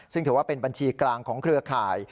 ซึ่งถือว่าเป็นบัญชีกลางของเครือข่าย